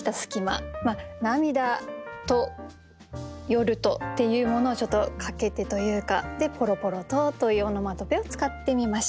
「涙」と「夜」とっていうものをちょっと掛けてというかで「ぽろぽろと」というオノマトペを使ってみました。